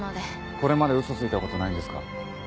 これまで嘘ついたことないんですか？